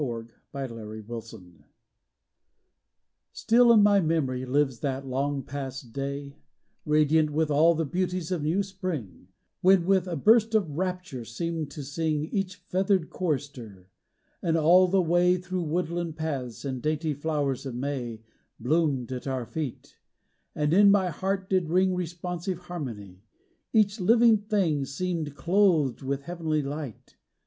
XX PLIGHTED TROTH STILL in my memory lives that long past day, Radiant with all the beauties of new Spring, When with a burst of rapture seemed to sing Each feathered chorister, and all the way Through woodland paths the dainty flowers of May Bloomed at our feet, and in my heart did ring Responsive harmony, — each living thing Seemed clothed with heavenly light.